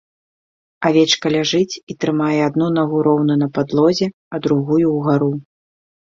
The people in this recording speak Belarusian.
Авечка ляжыць і трымае адну нагу роўна на падлозе, а другую ўгару.